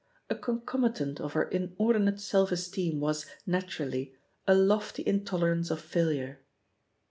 A concomitant of her inordi nate self esteem was, naturaUy^ a lofty intoler ance of failure.